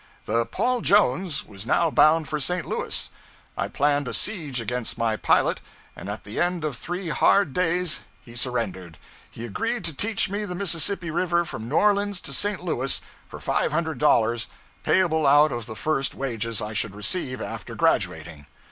The 'Paul Jones' was now bound for St. Louis. I planned a siege against my pilot, and at the end of three hard days he surrendered. He agreed to teach me the Mississippi River from New Orleans to St. Louis for five hundred dollars, payable out of the first wages I should receive after graduating.